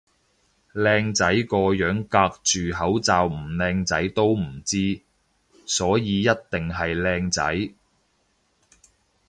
靚仔個樣隔住口罩唔靚仔都唔知，所以一定係靚仔